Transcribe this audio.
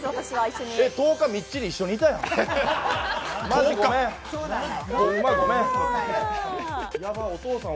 十日みっちり一緒にいたやん。